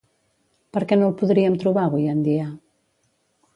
Per què no el podríem trobar avui en dia?